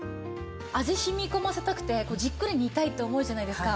味染み込ませたくてじっくり煮たいって思うじゃないですか。